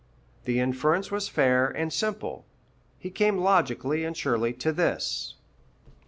The inference was fair and simple. He came logically and surely to this: 1.